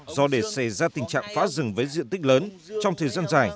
do để xảy ra tình trạng phá rừng với diện tích lớn trong thời gian dài